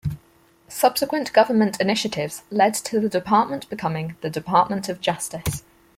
Subsequent government initiatives lead to the department becoming the Department of Justice.